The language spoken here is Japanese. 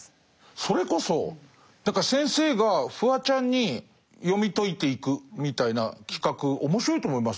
それこそ先生がフワちゃんに読み解いていくみたいな企画面白いと思いますよ。